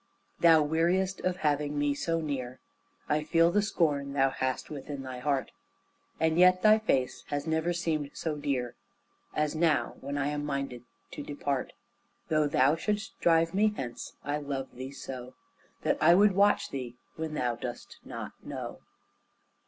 Thou weariest of having me so near, I feel the scorn thou hast within thy heart, And yet thy face has never seemed so dear As now, when I am minded to depart. Though thou shouldst drive me hence, I love thee so That I would watch thee when thou dost not know.